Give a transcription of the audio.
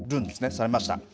されました。